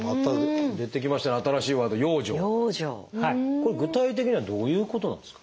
これ具体的にはどういうことなんですか？